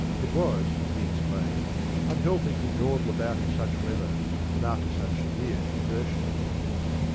It was, he explained, unhealthy to dawdle about in such weather and after severe exertion.